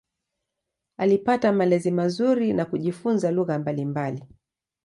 Alipata malezi mazuri na kujifunza lugha mbalimbali.